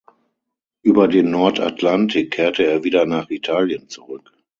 Über den Nordatlantik kehrte er wieder nach Italien zurück.